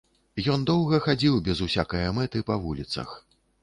Ён доўга хадзіў без усякае мэты па вуліцах.